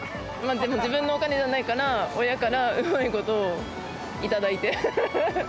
でも自分のお金じゃないから、親からうまいこと頂いて。